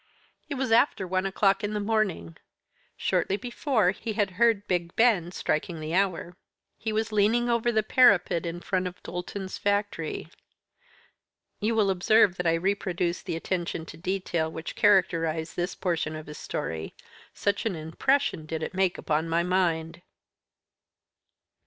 It was after one o'clock in the morning; shortly before, he had heard Big Ben striking the hour. He was leaning over the parapet in front of Doulton's factory you will observe that I reproduce the attention to detail which characterised this portion of his story, such an impression did it make upon my mind.